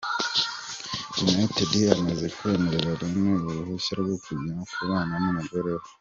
United amaze kwemerera Rooney uruhushya rwo kujya kubana numugore we.